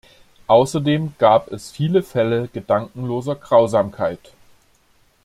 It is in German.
Außerdem gab es viele Fälle gedankenloser Grausamkeit.